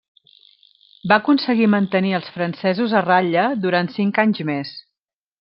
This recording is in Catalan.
Va aconseguir mantenir als francesos a ratlla durant cinc anys més.